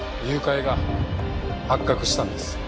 誘拐が発覚したんです。